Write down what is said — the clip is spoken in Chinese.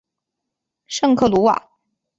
圣克鲁瓦。